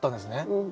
うん。